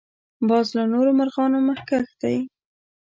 باز له نورو مرغانو مخکښ دی